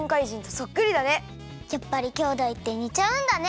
やっぱりきょうだいってにちゃうんだね！